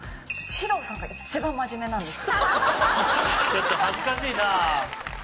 ちょっと恥ずかしいな。